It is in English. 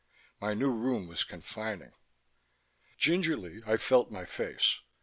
My new room was confining. Gingerly I felt my face ...